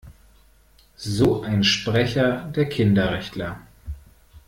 So ein Sprecher der Kinderrechtler.